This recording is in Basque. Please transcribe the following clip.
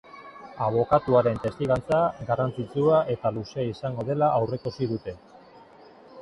Abokatuaren testigantza garrantzitsua eta luzea izango dela aurreikusi dute.